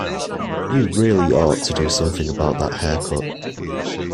You really ought to do something about that haircut.